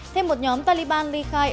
thêm một nhóm taliban ly khai